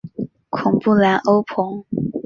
孔布兰欧蓬。